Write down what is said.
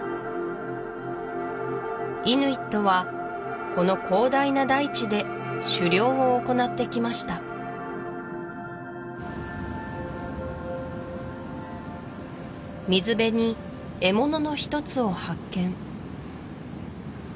イヌイットはこの広大な大地で狩猟を行ってきました水辺に獲物の一つを発見